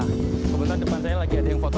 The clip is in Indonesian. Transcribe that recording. nah komentar depan saya lagi ada yang berbicara